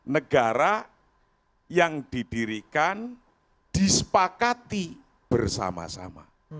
negara yang didirikan disepakati bersama sama